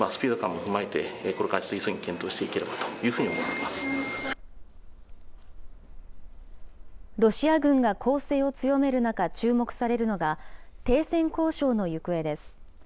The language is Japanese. ロシア軍が攻勢を強める中、注目されるのが、停戦交渉の行方です。